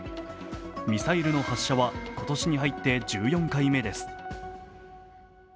ミサイルの発射は今年に入って１４回目です。